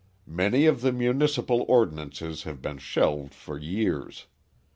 Many of the municipal ordinances have been shelved for years.